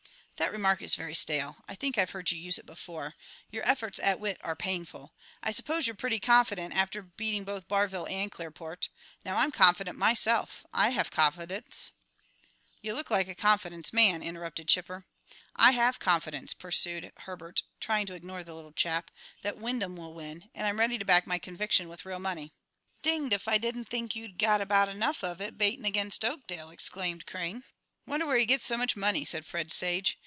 "That remark is very stale; I think I've heard you use it before. Your efforts at wit are painful. I suppose you're pretty confident, after beating both Barville and Clearport? Now I'm confident myself; I have confidence " "You look like a confidence man," interrupted Chipper. "I have confidence," pursued Herbert, trying to ignore the little chap, "that Wyndham will win; and I'm ready to back my conviction with real money." "Dinged if I didn't think yeou'd got abaout enough of it bating against Oakdale!" exclaimed Crane. "Wonder where he gets so much money?" said Fred Sage.